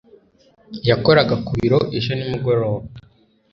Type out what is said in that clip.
yakoraga ku biro ejo nimugoroba